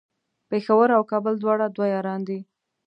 پیښور او کابل دواړه دوه یاران دی